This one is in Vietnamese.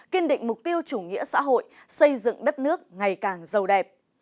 kiên định mục tiêu chủ nghĩa xã hội xây dựng đất nước ngày càng giàu đẹp